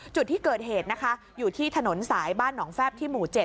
จุดที่เกิดเหตุนะคะอยู่ที่ถนนสายบ้านหนองแฟบที่หมู่๗